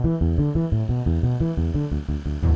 mau ngajak berapa